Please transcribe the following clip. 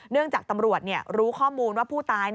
จากตำรวจรู้ข้อมูลว่าผู้ตาย